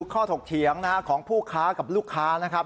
ถกเถียงของผู้ค้ากับลูกค้านะครับ